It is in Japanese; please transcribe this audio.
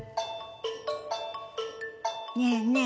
ねえねえ